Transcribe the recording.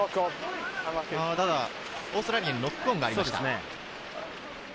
ただオーストラリアにノックオンがありました。